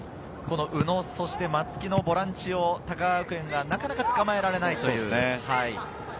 宇野、松木のボランチを高川学園がなかなかつかまえられないという。